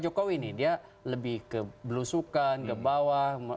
jokowi nih dia lebih ke belusukan ke bawah